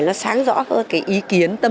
nó sáng rõ hơn